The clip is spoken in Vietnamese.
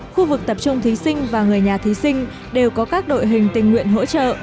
khu vực tập trung thí sinh và người nhà thí sinh đều có các đội hình tình nguyện hỗ trợ